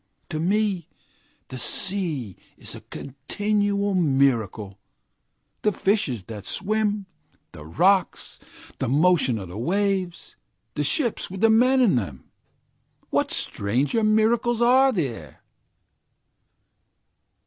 To me the sea is a continual miracle, The fishes that swim the rocks the motion of the waves the ships with the men in them, What stranger miracles are there?